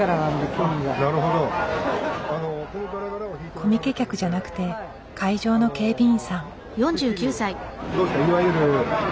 コミケ客じゃなくて会場の警備員さん。